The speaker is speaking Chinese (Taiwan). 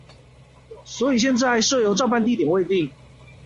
所以現在社遊照辦地點未定